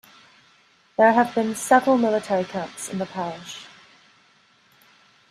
There have been several military camps in the parish.